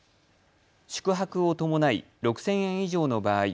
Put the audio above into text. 宿泊をともない６０００円以上の場合